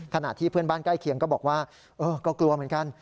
ขณะที่เพื่อนบ้านใกล้เคียงก็บอกว่าเออก็กลัวเหมือนกัน